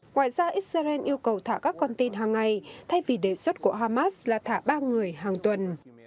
ngoài ra israel yêu cầu thả các con tin hàng ngày thay vì đề xuất của hamas là thả ba người hàng tuần